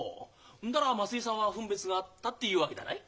んだら増井さんは分別があったというわげだない。